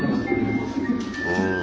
うん。